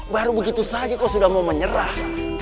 baru begitu saja kok sudah mau menyerah